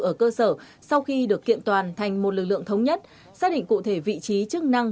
ở cơ sở sau khi được kiện toàn thành một lực lượng thống nhất xác định cụ thể vị trí chức năng